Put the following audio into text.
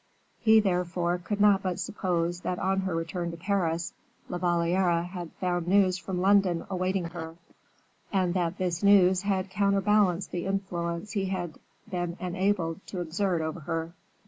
He therefore could not but suppose that on her return to Paris, La Valliere had found news from London awaiting her, and that this news had counterbalanced the influence he had been enabled to exert over her.